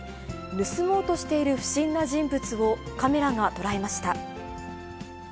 盗もうとしている不審な人物をカメラが捉えました。